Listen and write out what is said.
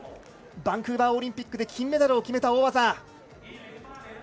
バンクーバーオリンピックで金メダルを決めた大技。